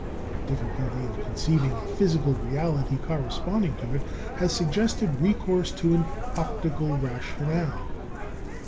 The difficulty of conceiving a physical reality corresponding to it has suggested recourse to an optical rationale.